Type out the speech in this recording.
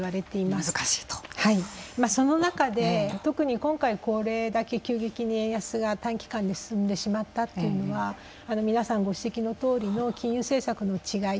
まあその中で特に今回これだけ急激に円安が短期間で進んでしまったというのは皆さんご指摘のとおりの金融政策の違い